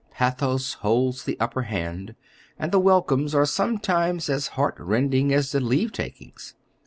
Pathos holds the upper hand, and the welcomes are sometimes as heart rending as the leave takings.